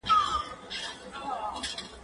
هغه څوک چي مکتب ځي زده کړه کوي،